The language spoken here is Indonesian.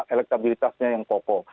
elektabilitasnya yang kokoh